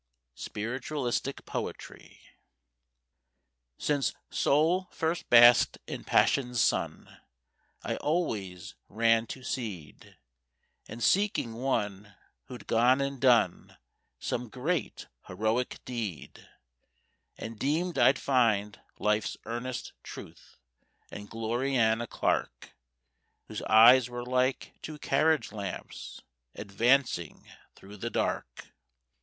Spiritualistic Poetry. Since Soul first basked in Passion's sun, I always ran to seed In seeking One who'd gone and done Some great heroic deed; And deemed I'd find Life's Earnest Truth In Gloriana Clarke, Whose eyes were like two carriage lamps Advancing through the dark.